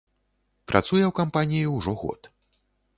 Працуе ў кампаніі ўжо год.